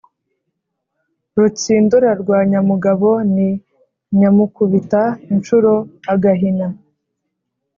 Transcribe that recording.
Rutsindura rwa Nyamugabo ni Nyamukubita incuro agahina